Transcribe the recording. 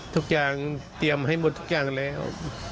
ทุกอย่างเตรียมให้หมดทุกอย่างแล้ว